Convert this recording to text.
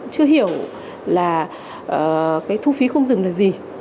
chưa hiểu là cái thu phí không dừng là gì